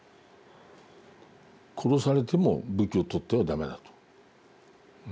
殺されても武器を取っては駄目だと。